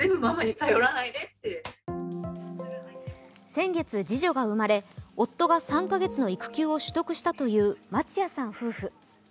先月次女が生まれ、夫が３か月の育休を取得したという町屋さん夫婦。